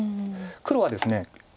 黒はですね